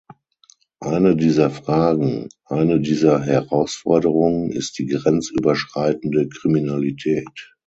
Eine dieser Fragen, eine dieser Herausforderungen ist die grenzüberschreitende Kriminalität.